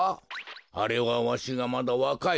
あれはわしがまだわかいころ